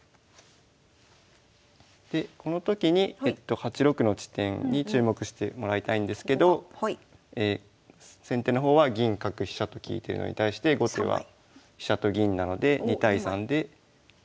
でこの時に８六の地点に注目してもらいたいんですけど先手の方は銀角飛車と利いてるのに対して後手は飛車と銀なので２対３で勝っていますね。